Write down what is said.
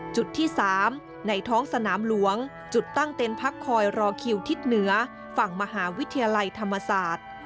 จุดที่๓ในท้องสนามหลวงจุดตั้งเต็นต์พักคอยรอคิวทิศเหนือฝั่งมหาวิทยาลัยธรรมศาสตร์